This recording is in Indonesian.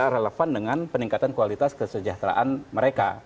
relevan dengan peningkatan kualitas kesejahteraan mereka